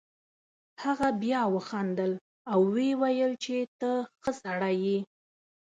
هغه بیا وخندل او ویې ویل چې ته ښه سړی یې.